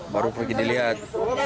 baru pergi dilihat